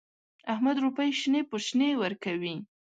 احمد روپۍ شنې په شنې ورکوي.